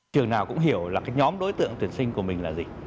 trường nào cũng hiểu là cái nhóm đối tượng tuyển sinh của mình là gì